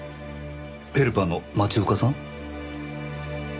ヘルパーの町岡さん？